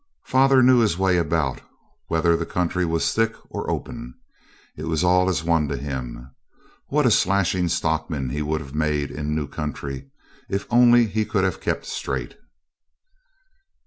Father knew his way about, whether the country was thick or open. It was all as one to him. What a slashing stockman he would have made in new country, if he only could have kept straight.